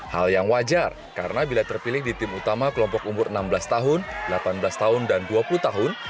hal yang wajar karena bila terpilih di tim utama kelompok umur enam belas tahun delapan belas tahun dan dua puluh tahun